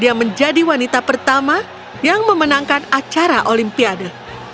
dia menjadi wanita pertama yang memenangkan acara olimpiade